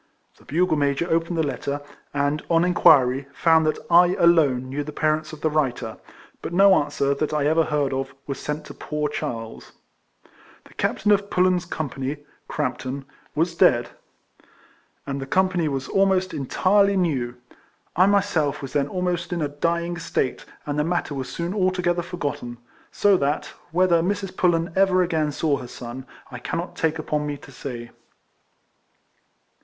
The bugle major opened the letter; and, on inquiry, found that I alone knew the parents of the writer ; but no answer, that I ever heard of, was sent to poor Charles. The captain of Pullen's company (Crampton) was dead, 144 RECOLLECTIONS OF tiiid the coni])any was almost entirely new. I myself was then almost in a dying state, and the matter was soon altogether forgot ten. So that, whether Mrs. Pullen ever again saw her son, I cannot take upon me to say.